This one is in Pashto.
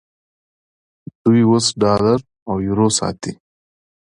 دوی اوس ډالر او یورو ساتي.